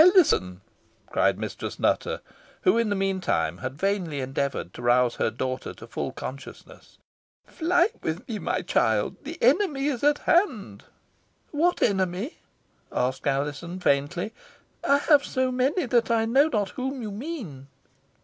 "Alizon!" cried Mistress Nutter, who in the mean time had vainly endeavoured to rouse her daughter to full consciousness, "fly with me, my child. The enemy is at hand." "What enemy?" asked Alizon, faintly. "I have so many, that I know not whom you mean."